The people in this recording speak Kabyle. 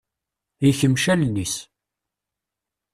Yeqmec allen-is.